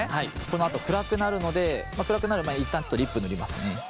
このあと暗くなるので暗くなる前に一旦ちょっとリップ塗りますね。